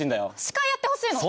司会やってほしいの！